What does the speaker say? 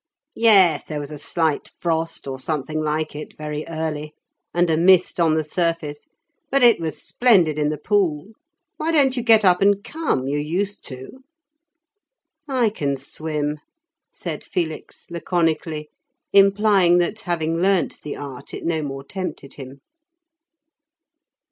"Yes; there was a slight frost, or something like it, very early, and a mist on the surface; but it was splendid in the pool. Why don't you get up and come? You used to." "I can swim," said Felix laconically, implying that, having learnt the art, it no more tempted him.